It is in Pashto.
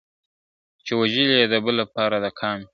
چي وژلی یې د بل لپاره قام وي ,